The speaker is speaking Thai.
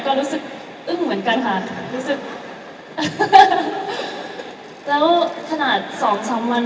ลูกสลับเอิ้งเหรอนกันค่ะรู้สึก